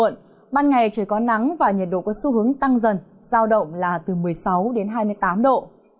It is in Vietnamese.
ban ngày trời có nắng và nhiệt độ có xu hướng tăng dần giao động là từ một mươi sáu đến hai mươi tám độ